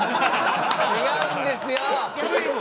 違うんですよ！